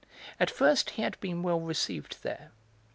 At first, he had been well received there.